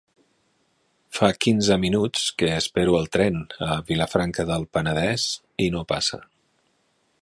Fa quinze minuts que espero el tren a Vilafranca del Penedès i no passa.